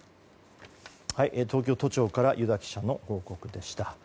東京都庁から油田記者の報告でした。